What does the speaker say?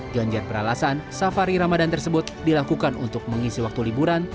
ganjar beralasan safari ramadan tersebut dilakukan untuk mengisi waktu liburan